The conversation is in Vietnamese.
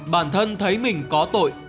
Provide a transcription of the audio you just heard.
bản thân thấy mình có tội